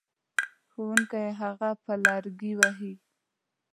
ښوونکی هغه په لرګي وهي.